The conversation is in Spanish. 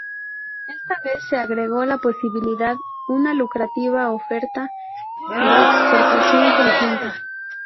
Esta vez se agregó la posibilidad una lucrativa oferta de exportación conjunta.